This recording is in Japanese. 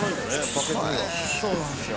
バケツそうなんですよ